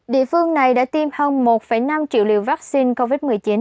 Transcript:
địa phương này đã tiêm hơn một năm triệu liều vaccine covid một mươi chín